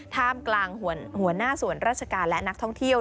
ท่ามกลางหัวหน้าส่วนราชการและนักท่องเที่ยว